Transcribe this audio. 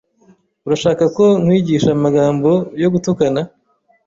Urashaka ko nkwigisha amagambo yo gutukana?